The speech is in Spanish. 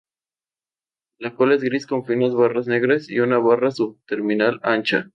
La cola es gris con finas barras negras y una banda subterminal ancha.